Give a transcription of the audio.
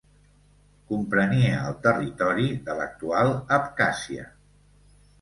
Comprenia el territori de l'actual Abkhàzia.